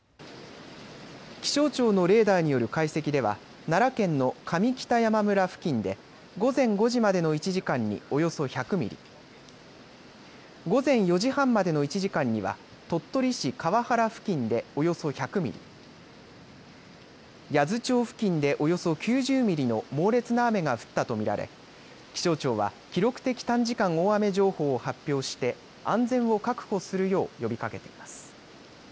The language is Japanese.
気象庁のレーダーによる解析では奈良県の上北山村付近で午前５時までの１時間におよそ１００ミリ、午前４時半までの１時間には鳥取市河原付近でおよそ１００ミリ、八頭町付近でおよそ９０ミリの猛烈な雨が降ったと見られ気象庁は記録的短時間大雨情報を発表して安全を確保するよう呼びかけています。